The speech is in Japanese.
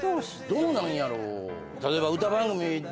どうなんやろ。